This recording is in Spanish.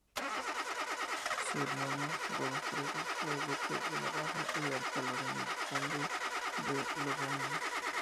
Su hermano Godofredo fue duque de Baja y Alta Lorena, conde de Lovaina.